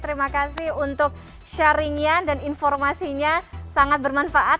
terima kasih untuk sharingnya dan informasinya sangat bermanfaat